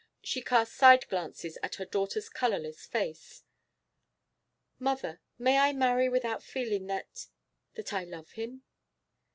She cast side glances at her daughter's colourless face. 'Mother, may I marry without feeling that that I love him?